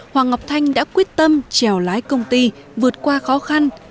hoàng ngọc thanh đã quyết tâm trèo lái công ty vượt qua khó khăn